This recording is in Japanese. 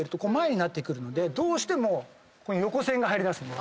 どうしても横線が入りだす。